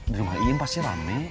di rumah ini pasti rame